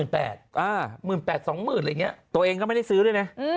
๑๘๐๐๐๒๐๐๐๐บาทตัวเองก็ไม่ได้ซื้อด้วยนะ